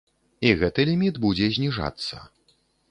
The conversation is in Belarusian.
І гэты ліміт будзе зніжацца.